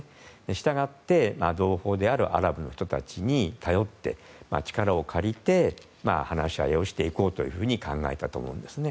したがって、同胞であるアラブの人たちに頼って力を借りて話し合いをしていこうというふうに考えたと思うんですね。